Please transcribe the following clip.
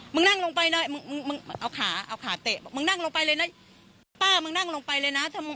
มึงนั่งลงไปเลยเอาขาเตะมึงนั่งลงไปเลยนะป้ามึงนั่งลงไปเลยนะ